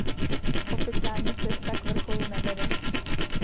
Oficiální cesta k vrcholu nevede.